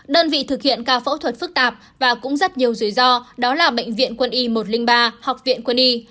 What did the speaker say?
đơn vị thực hiện ca phẫu thuật phức tạp và cũng rất nhiều rủi ro đó là bệnh viện quân y một trăm linh ba học viện quân y